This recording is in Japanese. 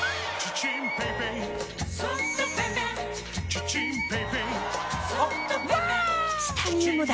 チタニウムだ！